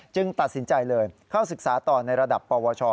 ตัดสินใจเลยเข้าศึกษาต่อในระดับปวช